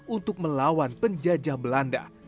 untuk melawan penjajah belanda